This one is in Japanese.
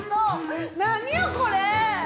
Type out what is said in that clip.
何よ、これ！